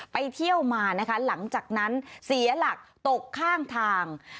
ไปเที่ยวมานะคะหลังจากนั้นเสียหลักตกข้างทาง